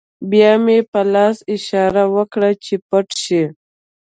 بیا مې په لاس اشاره وکړه چې پټ شئ